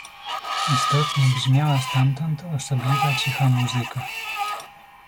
"Istotnie brzmiała stamtąd osobliwa cicha muzyka."